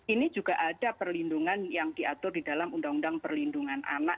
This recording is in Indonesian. ini juga ada perlindungan yang diatur di dalam undang undang perlindungan anak